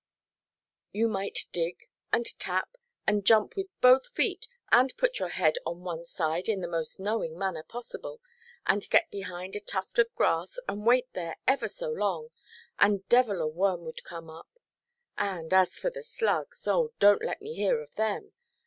You might dig, and tap, and jump with both feet, and put your head on one side in the most knowing manner possible, and get behind a tuft of grass, and wait there ever so long, and devil a worm would come up! And, as for the slugs, oh, donʼt let me hear of them!